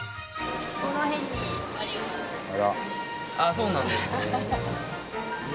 そうなんですね。